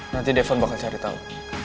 nanti devan bakal cari tahu